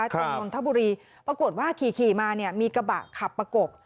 จนนนทบุรีปรากฏว่าขี่มาเนี่ยมีกระบะขับประกบ